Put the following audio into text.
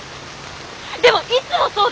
でもいつもそうだよね。